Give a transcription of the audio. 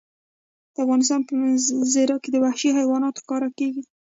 د افغانستان په منظره کې وحشي حیوانات ښکاره ده.